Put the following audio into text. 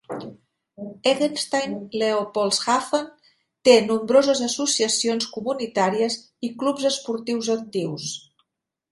Eggenstein-Leopoldshafen té nombroses associacions comunitàries i clubs esportius actius.